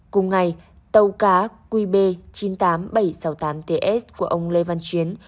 cùng ngày tàu cá qb chín mươi tám nghìn bảy trăm sáu mươi tám ts của ông lê văn chuyến